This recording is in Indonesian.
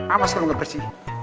amas kamu gak bersih